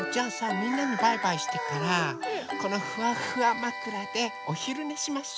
みんなにバイバイしてからこのフワフワまくらでおひるねしましょ。